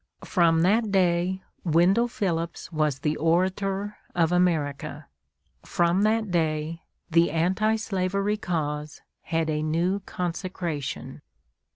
From that day Wendell Phillips was the orator of America. From that day the anti slavery cause had a new consecration.